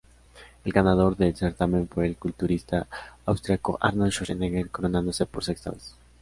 El ganador del certamen fue el culturista austriaco Arnold Schwarzenegger, coronándose por sexta vez.